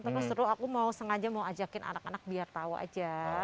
terus aku mau sengaja mau ajakin anak anak biar tahu aja